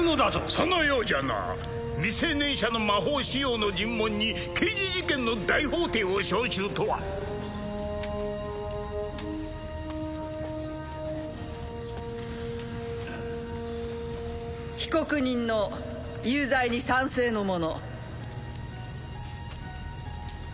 そのようじゃな未成年者の魔法使用の尋問に刑事事件の大法廷を召集とは被告人の有罪に賛成の者